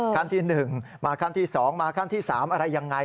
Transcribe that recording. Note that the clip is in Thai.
ขั้นที่๑มาขั้นที่๒มาขั้นที่๓อะไรยังไง